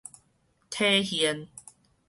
體現